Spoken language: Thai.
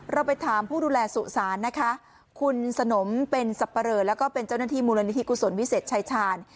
เราไปถามผู้ดูแลสุสานนะคะคุณสนมเป็นสับปะเรอแล้วก็เป็นเจ้าหน้าที่มูลนิธิกุศลวิเศษชายชาญ